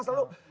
itu sejarah lah